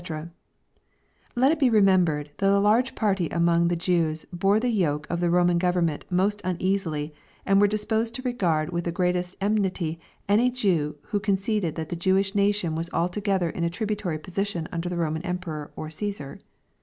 ] Let it be remembered, that a large party among the Jews bore the yoke of the Roman government most uneasily, and were disposed to regard with the greatest enmity any Jew who conceded that the Jewish nation was altogether in a tributary position under the Roman emperor, or " Caesar."